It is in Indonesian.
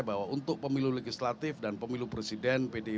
bahwa untuk pemilu legislatif dan pemilu presiden pdi perjuangan